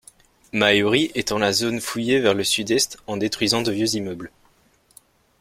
Maiuri étend la zone fouillée vers le sud-est en détruisant de vieux immeubles.